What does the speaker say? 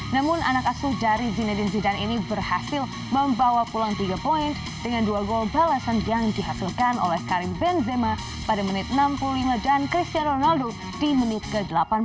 namun anak asuh dari jinedin zidan ini berhasil membawa pulang tiga poin dengan dua gol balasan yang dihasilkan oleh karim benzema pada menit enam puluh lima dan cristiano ronaldo di menit ke delapan belas